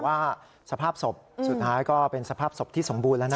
ว่าสภาพศพสุดท้ายก็เป็นสภาพศพที่สมบูรณ์แล้วนะ